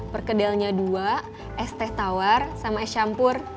perkedelnya dua es teh tawar sama es campur